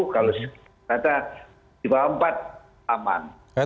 kalau tata lima puluh empat aman